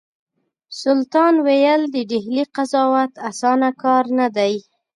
سلطان ویل د ډهلي قضاوت اسانه کار نه دی.